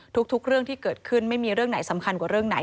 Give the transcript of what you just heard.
ทุกเรื่องที่เกิดขึ้นไม่มีเรื่องไหนสำคัญกว่าเรื่องไหน